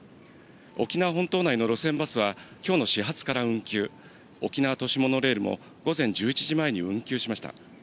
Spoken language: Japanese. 沖縄本島内の路線バスは、きょうの始発から運休、沖縄都市モノレールも午前１１時前に運休しました。